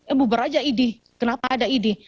eh buber aja ini kenapa ada ini